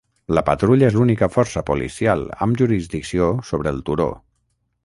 La patrulla és l'única força policial amb la jurisdicció sobre el turó.